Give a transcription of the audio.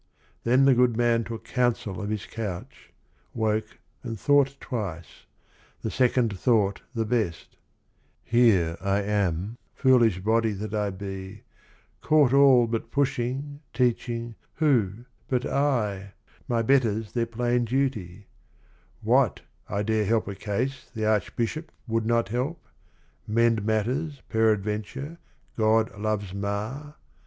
Then the good man took counsel of his couch, Woke and thought twice, the second thought the best : 'Here I am, foolish body that I be, Caught all but pushing, teaching, who but I, My betters their plain duty, — what, I dare Help a case the Archbishop would not help, Mend matters, peradventure, God loves mar?